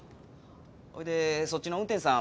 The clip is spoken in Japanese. それでそっちの運転手さん